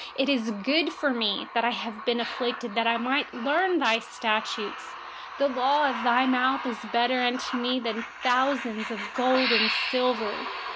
71It is good for me that I have been afflicted, that I may learn your statutes. 72The law of your mouth is better to me than thousands of pieces of gold and silver.